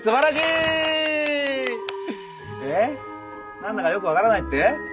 何だかよく分からないって？